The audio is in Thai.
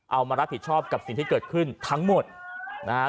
เอามารับผิดชอบกับสิ่งที่เกิดขึ้นทั้งหมดนะฮะ